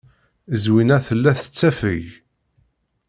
Zwina tella tettafeg.